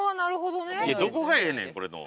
どこがええねんこれの。